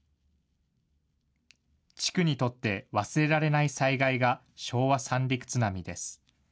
地区にとって忘れられない災害が、昭和三陸津波です。